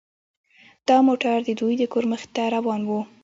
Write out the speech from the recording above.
دا موټر د دوی د کور مخې ته روان و